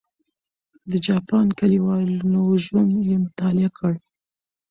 د جاپان کلیوالو ژوند یې مطالعه کړ.